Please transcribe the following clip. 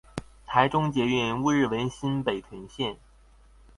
臺中捷運烏日文心北屯線